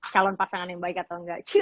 calon pasangan yang baik atau enggak